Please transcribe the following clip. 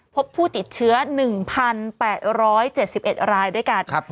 พบผู้ติดเชื้อ๑๘๗๑รายด้วยกัน